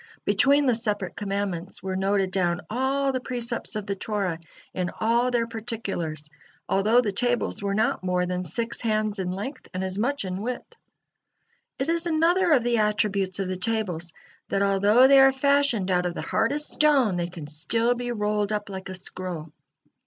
Between the separate commandments were noted down all the precepts of the Torah in all their particulars, although the tables were not more than six hands in length and as much in width. It is another of the attributes of the tables, that although they are fashioned out of the hardest stone, they can still be rolled up like a scroll.